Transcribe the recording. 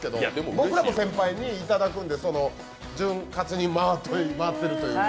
僕らも先輩にいただくんで、潤滑に回っているというか。